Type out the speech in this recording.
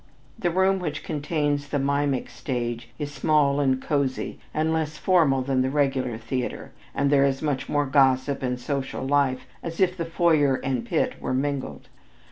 The room which contains the mimic stage is small and cozy, and less formal than the regular theater, and there is much more gossip and social life as if the foyer and pit were mingled.